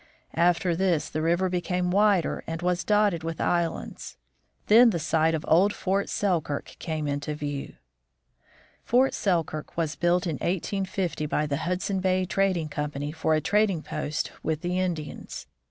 After this the river became wider and was dotted with islands ; then the site of old Fort Selkirk came into view. Fort Selkirk was built in 1850 by the Hudson Bay Trad^ ing Company for a trading post with the Indians.